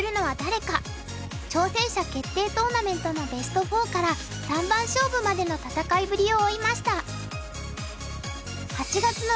挑戦者決定トーナメントのベスト４から三番勝負までの戦いぶりを追いました。